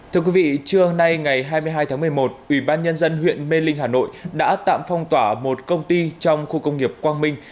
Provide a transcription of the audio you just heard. thưa quý vị trưa hôm nay ngày hai mươi hai tháng một mươi một ủy ban nhân dân huyện mê linh hà nội đã tạm phong tỏa một công ty trong khu công nghiệp quang minh